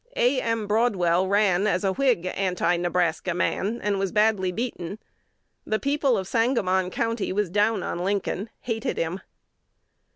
A. M. Broadwell ran as a Whig Anti Nebraska man, and was badly beaten. The people of Sangamon County was down on Lincoln, hated him."